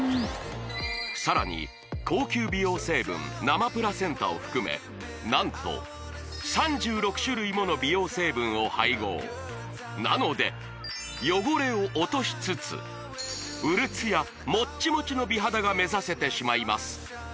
さらに高級美容成分生プラセンタを含め何と３６種類もの美容成分を配合なので汚れを落としつつうるつやもっちもちの美肌が目指せてしまいます